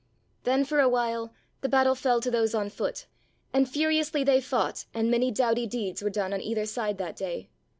Then for a while the battle fell to those on foot and furiously they fought and many doughty deeds were done on either side that day.